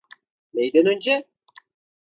Neyden önce?